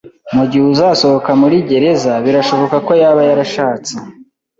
Mugihe uzasohoka muri gereza, birashoboka ko yaba yarashatse.